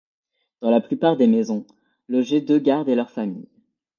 Dans la plupart des maisons logeaient deux gardes et leurs familles.